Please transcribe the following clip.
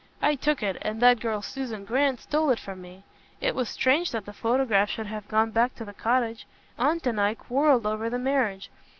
I took it, and that girl Susan Grant stole it from me. It was strange that the photograph should have gone back to the cottage. Aunt and I quarrelled over the marriage.